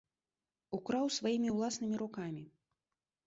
Украў сваімі ўласнымі рукамі.